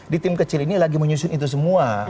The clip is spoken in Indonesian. di tim kecil ini lagi menyusun itu semua